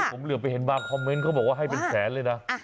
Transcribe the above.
ผมเหลือไปเห็นบางคอมเมนต์เขาบอกว่าให้เป็นแสนเลยนะ